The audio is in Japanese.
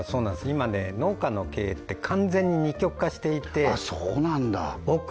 今ね農家の経営って完全に二極化していてああそうなんだ